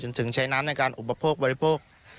ถึงใช้น้ำในการอุปโภคบริโภค